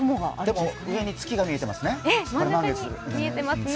でも上に月が見えてますね。